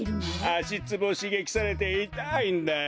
あしツボをしげきされていたいんだよ。